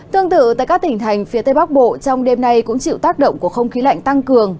tương tự tại các tỉnh thành phía tây bắc bộ trong đêm nay cũng chịu tác động của không khí lạnh tăng cường